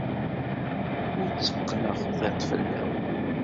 Ur tteqqneɣ tiṭ fell-awen.